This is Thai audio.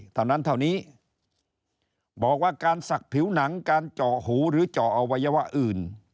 เท่านั้นเท่านี้บอกว่าการสักผิวหนังการเจาะหูหรือเจาะอวัยวะอื่น